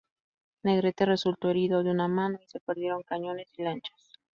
Negrete resultó herido de una mano y se perdieron cañones y lanchas.